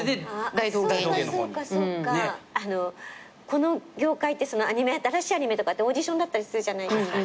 この業界って新しいアニメとかってオーディションだったりするじゃないですか。